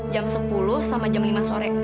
jam sepuluh sama jam lima sore